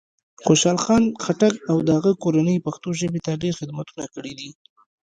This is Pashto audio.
خوشال خان خټک او د هغه کورنۍ پښتو ژبې ته ډېر خدمتونه کړي دی.